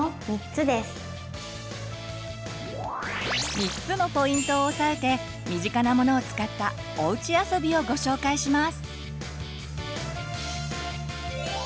３つのポイントを押さえて身近なものを使ったおうちあそびをご紹介します。